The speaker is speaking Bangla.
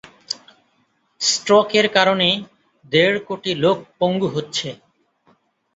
স্ট্রোকের কারণে দেড় কোটি লোক পঙ্গু হচ্ছে।